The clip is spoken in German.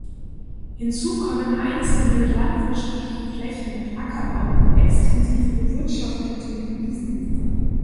Hinzu kommen einzelne landwirtschaftliche Flächen mit Ackerbau und extensiv bewirtschafteten Wiesen.